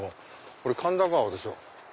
これ神田川でしょ。